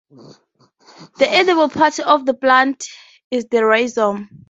The edible part of the plant is the rhizome.